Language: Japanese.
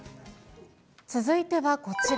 続いてはこちら。